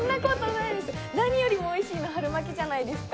何よりもおいしいの春巻きじゃないですか。